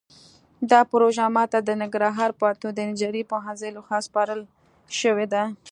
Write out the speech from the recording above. دا پروژه ماته د ننګرهار پوهنتون د انجنیرۍ پوهنځۍ لخوا سپارل شوې ده